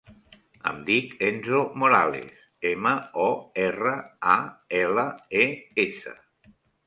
Em dic Enzo Morales: ema, o, erra, a, ela, e, essa.